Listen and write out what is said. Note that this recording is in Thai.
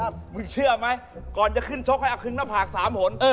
มึงเชื่อไหมก่อนจะขึ้นชกให้เอาคึงหน้าผาก๓หน